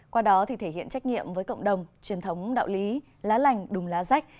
qua đó thì thể hiện trách nhiệm với cộng đồng truyền thống đạo lý lá lành đùm lá rách